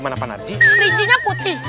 mana panarji kelincinya putih